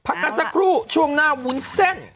พะกัสสะครูช่วงหน้าวุ้นเส้น